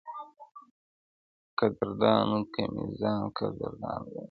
قدردانو کي مي ځان قدردان وینم،